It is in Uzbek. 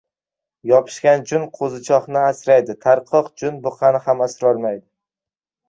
• Yopishgan jun qo‘zichoqni asraydi, tarqoq jun buqani ham asrolmaydi.